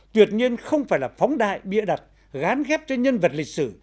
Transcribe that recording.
tuyệt nhiên không phải là phóng đại bia đặc gán ghép trên nhân vật lịch sử